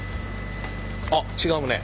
あっ違うね。